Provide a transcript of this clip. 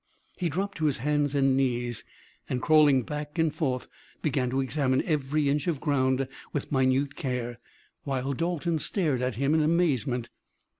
He dropped to his hands and knees, and, crawling back and forth, began to examine every inch of ground with minute care, while Dalton stared at him in amazement.